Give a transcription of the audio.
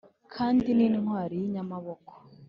kandi ni intwari y’inyamaboko